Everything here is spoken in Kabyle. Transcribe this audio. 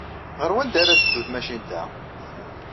Ɣer wanda ara teddu tmacint-a?